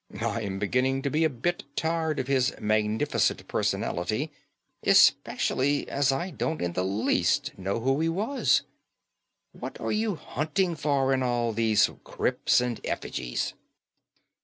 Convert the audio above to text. I am beginning to be a bit tired of his magnificent personality, especially as I don't in the least know who he was. What are you hunting for in all these crypts and effigies?"